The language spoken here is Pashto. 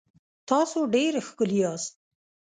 تاسو ډېر ښکلي یاست